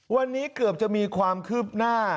วันนี้เกือบจะมีความคืบหน้า